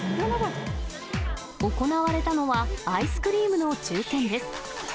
行われたのは、アイスクリームの抽せんです。